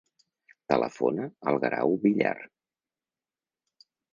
Telefona al Guerau Villar.